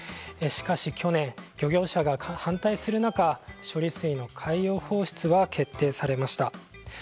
しかし去年、漁業者が反対する中処理水の海洋放出は決定されました。